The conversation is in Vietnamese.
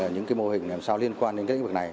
những mô hình làm sao liên quan đến các vấn đề này